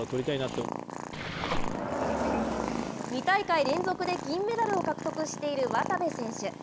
２大会連続で銀メダルを獲得している渡部選手。